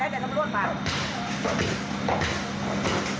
เพื่อกเนี่ยมาแล้วแต่ตำรวจมา